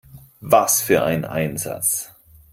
Was für ein Einsatz!